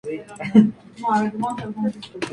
Luego se volcó más a la actuación teatral y fílmica.